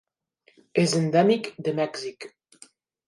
És endèmic de Mèxic.